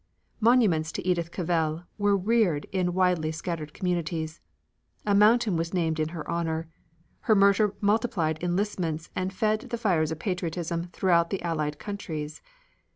Monuments to Edith Cavell were reared in widely scattered communities. A mountain was named in her honor. Her murder multiplied enlistments and fed the fires of patriotism throughout the Allied countries.